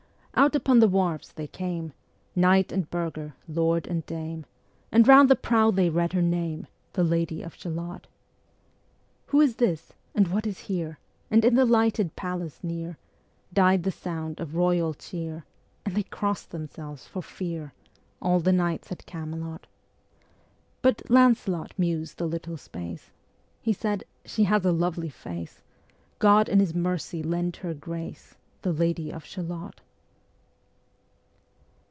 Out upon the wharfs they came, Knight and burgher, lord and dame, And round the prow they read her name, Ā Ā The Lady of Shalott. Who is this? and what is here? And in the lighted palace near Died the sound of royal cheer; And they cross'd themselves for fear, Ā Ā All the knights at Camelot: But Lancelot mused a little space; He said, "She has a lovely face; God in his mercy lend her grace, Ā Ā The Lady of Shalott."